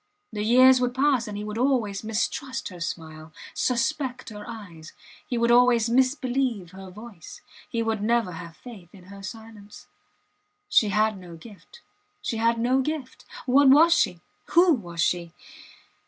The years would pass and he would always mistrust her smile, suspect her eyes; he would always misbelieve her voice, he would never have faith in her silence. She had no gift she had no gift! What was she? Who was she?